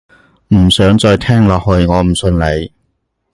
唔想再聽落去，我唔信你